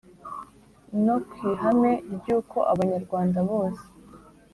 No ku ihame ry’uko abanyarwanda bose